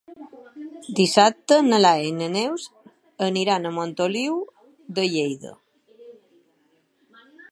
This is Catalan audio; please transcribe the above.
Dissabte na Laia i na Neus iran a Montoliu de Lleida.